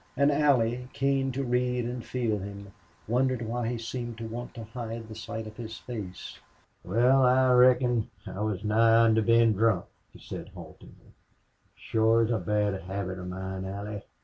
And Allie, keen to read and feel him, wondered why he seemed to want to hide the sight of his face. "Wal I reckon I was nigh onto bein' drunk," he said, haltingly. "Shore is a bad habit of mine Allie....